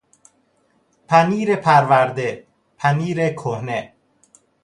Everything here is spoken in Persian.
پنیر پرورده، پنیر کهنه